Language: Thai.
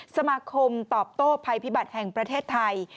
สมาคมตอบโต้ภัยพิบัติแห่งประเทศไทย